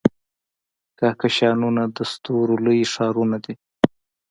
کهکشانونه د ستورو لوی ښارونه دي.